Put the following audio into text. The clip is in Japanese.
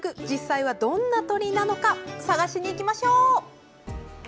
実際は、どんな鳥なのか探しに行きましょう！